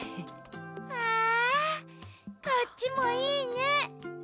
わこっちもいいね。